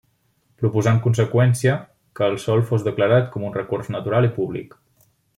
Proposà en conseqüència que el sòl fos declarat com un recurs natural i públic.